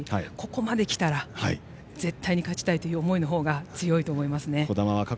ここまできたら、絶対に勝ちたいという思いのほうが強いと思いますね。